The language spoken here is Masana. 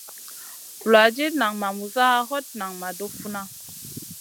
Vuladid nan ma muza, hot nan ma doh funa.